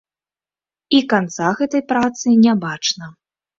І канца гэтай працы не бачна.